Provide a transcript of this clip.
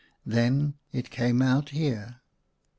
Then it came out here."